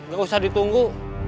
gak usah ditunggu